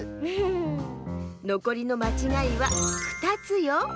のこりのまちがいは２つよ！